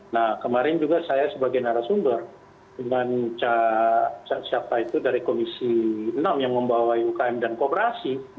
nah kemarin juga saya sebagai narasumber dengan siapa itu dari komisi enam yang membawa ukm dan kooperasi